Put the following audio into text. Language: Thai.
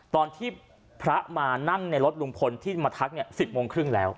ตอนที่พระมานั่งในรถลุงพลที่มาทักเนี่ย๑๐โมงครึ่งแล้ว